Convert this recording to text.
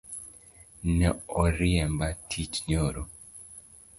Ne oriemba tiich nyoro